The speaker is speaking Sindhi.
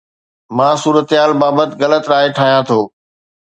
مان صورتحال بابت غلط راء ٺاهيان ٿو